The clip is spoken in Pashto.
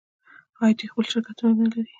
آیا دوی خپل شرکتونه نلري؟